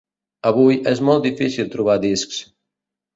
Avui, és molt difícil trobar discs.